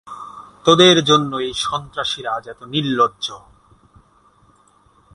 তোদের জন্যই এই সন্ত্রাসীরা আজ এতো নির্লজ্জ।